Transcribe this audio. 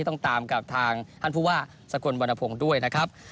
ต้องตามกับทางท่านผู้ว่าสกลวรรณพงศ์ด้วยนะครับ